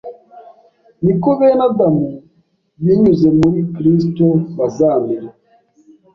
ni ko bene Adamu, binyuze muri Kristo bazamera